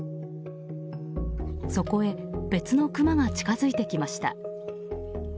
そこへ別のクマが近づいてきました。